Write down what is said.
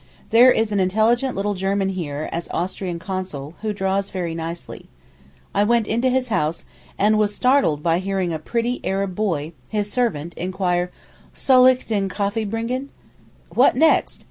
There is an intelligent little German here as Austrian Consul, who draws nicely. I went into his house, and was startled by hearing a pretty Arab boy, his servant, inquire, 'Soll ich den Kaffee bringen?' What next?